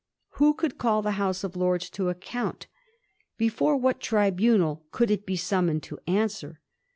Who could call the House of Lords to account ? Before what tribunal could it be smnmoned to answer